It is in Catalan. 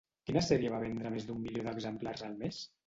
Quina sèrie va vendre més d'un milió d'exemplars al mes?